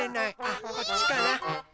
あっこっちかな。